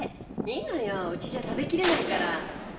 いいのようちじゃ食べ切れないから。